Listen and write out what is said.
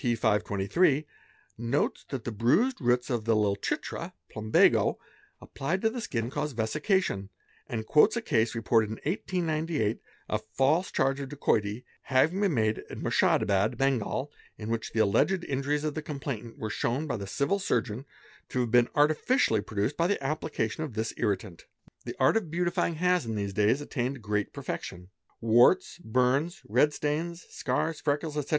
523, notes that the bruised roots of the Lal Chitra (Plambago) applied to the skin cause vesication and quotes a case reported in 1898 of a false charge of dacoity having been made at Murshedabad, Bengal, in which the alleged injuries of the complainant were shown by the Civil Surgeon to have been artificially produced by the application of this irritant. ; The art of beautifying has in these days attained great perfection : warts, burns, red stains, scars, freckles, etc.